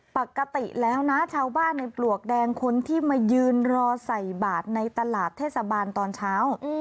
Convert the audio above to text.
ปกติแล้วนะชาวบ้านในปลวกแดงคนที่มายืนรอใส่บาทในตลาดเทศบาลตอนเช้า